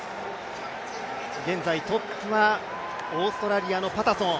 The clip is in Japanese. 現在トップはオーストラリアのパタソン。